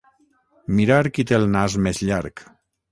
Mirar qui té el nas més llarg.